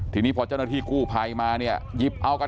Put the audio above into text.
ทีนี้พอเจ้าหน้าที่กู้ภัยมาเนี่ยหยิบเอากัน